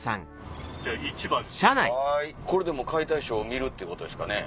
これでもう解体ショーを見るってことですかね？